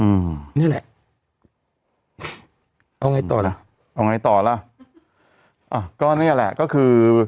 อืมนี่แหละเอาไงต่อล่ะเอาไงต่อล่ะอ่าก็เนี้ยแหละก็คือ